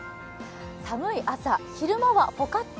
寒い朝、昼間はポカッと。